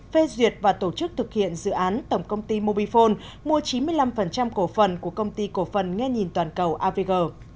phê duyệt và tổ chức thực hiện dự án tổng công ty mobifone mua chín mươi năm cổ phần của công ty cổ phần nghe nhìn toàn cầu avg